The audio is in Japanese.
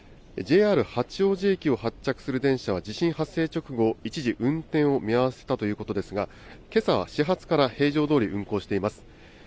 ＪＲ八王子駅を発着する電車は、地震発生直後、一時、運転を見合わせたということですが、けさは始発から平常どおり運行しています。